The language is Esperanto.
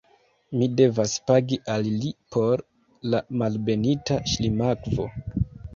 Mi devas pagi al li por la Malbenita Ŝlimakvo.